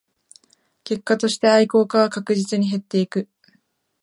結果として愛好家は確実に減っていく